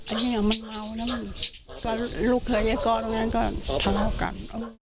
อันนี้มันเมานะลูกเผยก่อนตรงนั้นก็ทะเลากัน